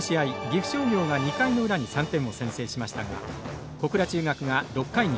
岐阜商業が２回の裏に３点を先制しましたが小倉中学が６回に逆転。